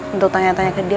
untuk tanya tanya ke dia